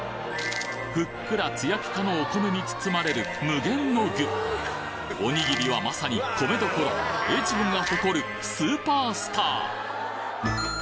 ふっくらツヤピカのお米に包まれる無限の具おにぎりはまさに米どころ越後が誇るスーパースター！